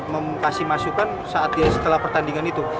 mengasih masukan saat dia setelah pertandingan itu